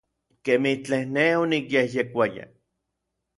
Kemij tlen nej onikyejyekouaya.